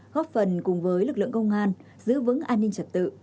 góp phần cùng với lực lượng công an giữ vững an ninh trật tự